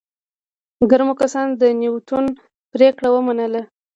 ګرمو کسانو د نياوتون پرېکړه ومنله.